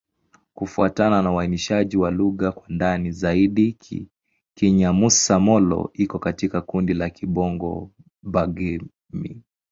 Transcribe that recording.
Kufuatana na uainishaji wa lugha kwa ndani zaidi, Kinyamusa-Molo iko katika kundi la Kibongo-Bagirmi.